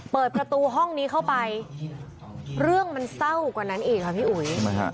เปิดประตูห้องนี้เข้าไปเรื่องมันเศร้ากว่านั้นอีกค่ะพี่อุ๋ย